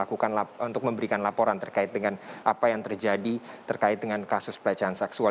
untuk memberikan laporan terkait dengan apa yang terjadi terkait dengan kasus pelecehan seksual